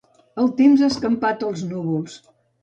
El temps ha escampat els núvols.